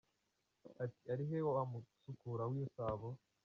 Ati, arihe wa musukura bisabo?